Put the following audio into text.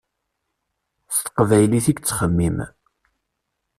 S teqbaylit i yettxemmim.